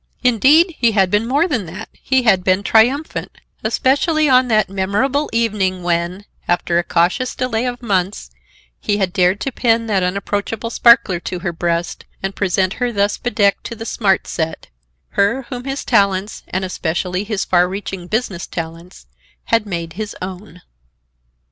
Indeed, he had been more than that; he had been triumphant, especially on that memorable evening when, after a cautious delay of months, he had dared to pin that unapproachable sparkler to her breast and present her thus bedecked to the smart set—her whom his talents, and especially his far reaching business talents, had made his own.